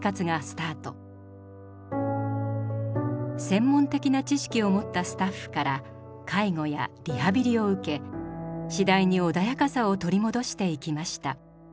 専門的な知識を持ったスタッフから介護やリハビリを受け次第に穏やかさを取り戻していきました。